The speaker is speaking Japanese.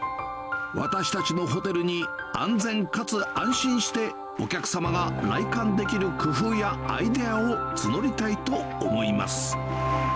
私たちのホテルに安全かつ安心してお客様が来館できる工夫やアイデアを募りたいと思います。